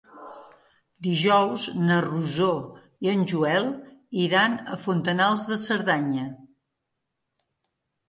Dijous na Rosó i en Joel iran a Fontanals de Cerdanya.